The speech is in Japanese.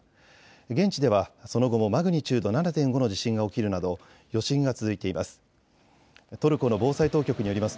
現地ではその後もマグニチュード７．５の地震が起きるなど余震が続いています。